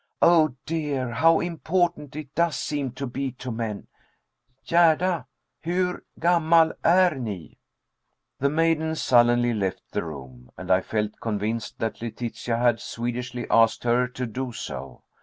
Oh, dear! How important it does seem to be to men. Gerda, hur gammal är ni?" The maiden sullenly left the room, and I felt convinced that Letitia had Swedishly asked her to do so.